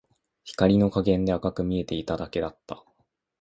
光の加減で赤く見えていただけだった